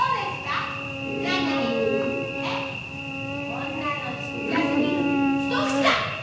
こんなのちっちゃすぎるひとくちだ！